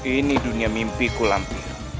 ini dunia mimpiku mak lampir